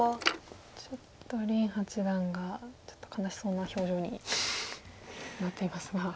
ちょっと林八段が悲しそうな表情になっていますが。